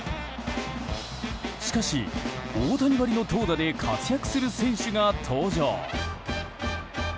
しかし、大谷ばりの投打で活躍する選手が登場。